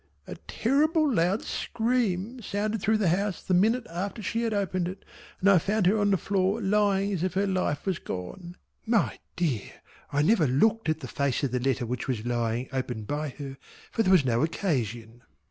A terrible loud scream sounded through the house the minute after she had opened it, and I found her on the floor lying as if her life was gone. My dear I never looked at the face of the letter which was lying, open by her, for there was no occasion.